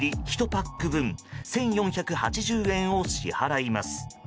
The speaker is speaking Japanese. １パック分１４８０円を支払います。